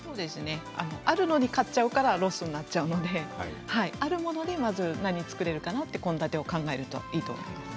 あるのに買っちゃうからロスになっちゃうのであるもので何を作れるかなと献立を考えられるといいと思います。